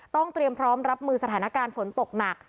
เตรียมพร้อมรับมือสถานการณ์ฝนตกหนัก